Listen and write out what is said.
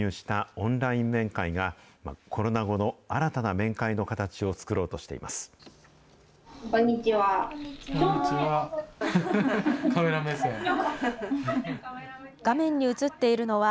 オンライン面会が、コロナ後の新たな面会の形を作ろうとしていまこんにちは。